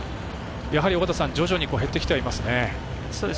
やはり徐々に減ってきてはいますね。